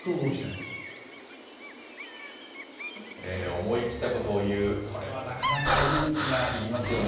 思い切ったことを言う、これはなかなか勇気がいりますよね。